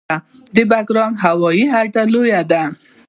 د بګرام هوایي اډه لویه ده